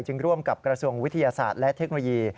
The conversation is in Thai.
ร่วมกับกระทรวงวิทยาศาสตร์และเทคโนโลยี